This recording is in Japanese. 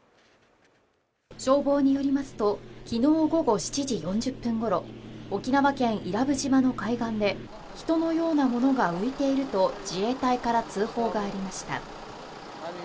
消防によりますと昨日午後７時４０分ごろ沖縄県伊良部島の海岸で「人のようなものが浮いている」と自衛隊から通報がありました。